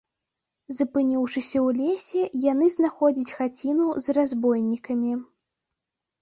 Запыніўшыся ў лесе, яны знаходзяць хаціну з разбойнікамі.